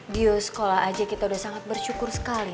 dio sekolah aja kita udah sangat bersyukur sekali ma